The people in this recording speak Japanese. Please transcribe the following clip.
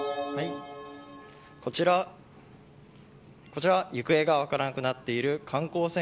こちら行方が分からなくなっている観光船